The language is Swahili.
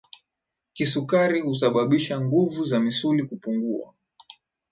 kisukari husababisha nguvu za misuli kupungua